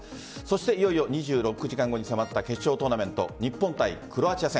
いよいよ２６時間後に迫った決勝トーナメント日本対クロアチア戦。